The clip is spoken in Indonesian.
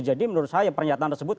jadi menurut saya pernyataan tersebut